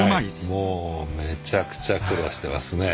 もうめちゃくちゃ苦労してますね。